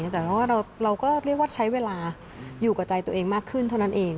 แต่ว่าเราก็เรียกว่าใช้เวลาอยู่กับใจตัวเองมากขึ้นเท่านั้นเอง